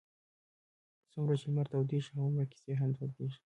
څومره چې لمر تودېږي هغومره کیسې هم تودېږي.